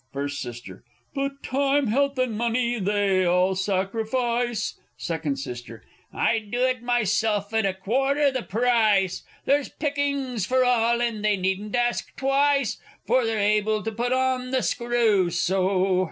First S. But Time, Health, and Money they all sacrifice. Second S. I'd do it myself at a quarter the price. There's pickings for all, and they needn't ask twice, For they're able to put on the screw so!